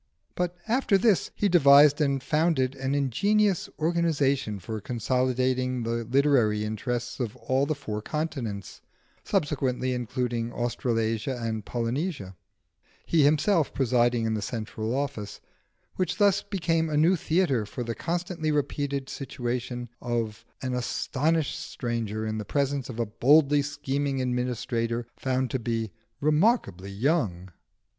But after this he devised and founded an ingenious organisation for consolidating the literary interests of all the four continents (subsequently including Australasia and Polynesia), he himself presiding in the central office, which thus became a new theatre for the constantly repeated situation of an astonished stranger in the presence of a boldly scheming administrator found to be remarkably young.